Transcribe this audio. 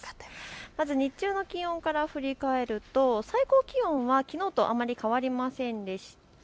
まず日中の気温から振り返ると最高気温はきのうとあまり変わりませんでした。